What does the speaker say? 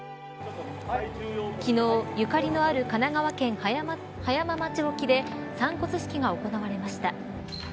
昨日、縁のある神奈川県葉山町沖で散骨式が行われました。